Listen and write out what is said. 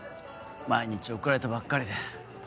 毎日怒られてばっかりで。